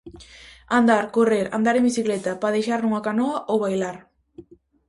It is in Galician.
Andar, correr, andar en bicicleta, padexar nunha canoa ou bailar.